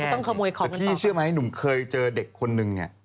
แต่พี่เชื่อมั้ยหนูเคยเจอเด็กคนนึงเนี่ย